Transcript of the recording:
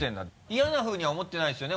嫌なふうには思ってないですよね